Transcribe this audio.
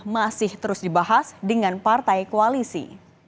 masih terus dibahas dengan partai koalisi